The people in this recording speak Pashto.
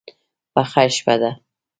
پخه شپه ده.